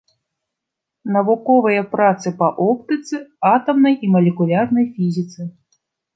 Навуковыя працы па оптыцы, атамнай і малекулярнай фізіцы.